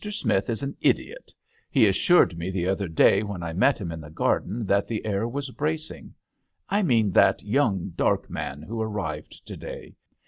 Smith is an idiot : he assured me the other day when I met him in the garden that the air was bracing. I mean that young dark man who arrived to day.